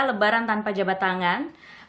lebaran tanpa jabat tangan